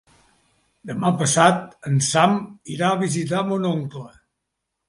Demà passat en Sam irà a visitar mon oncle.